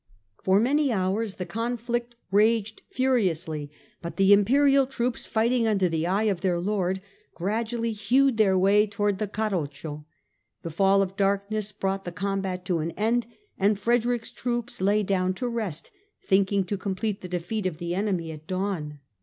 For many hours the conflict raged furiously, but the Imperial troops, fighting under the eye of their lord, gradually hewed their way towards the Carroccio. The fall of darkness brought the combat to an end and Frederick's troops lay down to rest, thinking to complete the defeat of the enemy at dawn.